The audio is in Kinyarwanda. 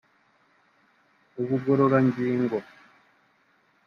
ubugororangingo